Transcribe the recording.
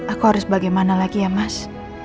aku harus bagaimana lagi ya mas